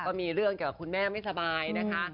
ก็มีเรื่องเกี่ยวกับคุณแม่ไม่สบายนะคะ